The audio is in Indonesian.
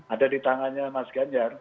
ada di tangannya mas ganjar